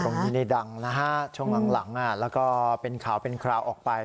ตรงนี้นี่ดังนะฮะช่วงหลังแล้วก็เป็นข่าวเป็นคราวออกไป